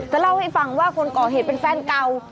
เล่าให้ฟังว่าคนก่อเหตุเป็นแฟนเก่า